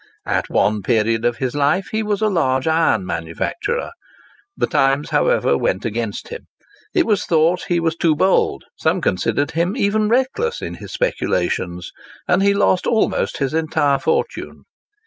At one period of his life he was a large iron manufacturer. The times, however, went against him. It was thought he was too bold, some considered him even reckless, in his speculations; and he lost almost his entire fortune.